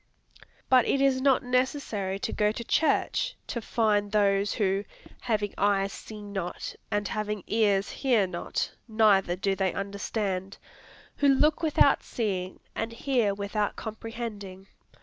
But it is not necessary to go to church, to find those who "having eyes see not, and having ears hear not, neither do they understand," who look without seeing, and hear without comprehending.